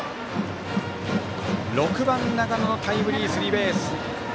６番、永野のタイムリースリーベース。